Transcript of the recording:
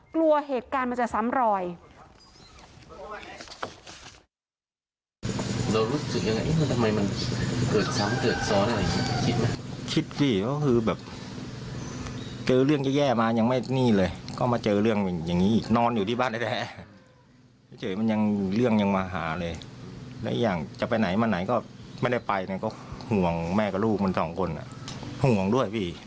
กลัวเหตุการณ์มันจะซ้ำรอย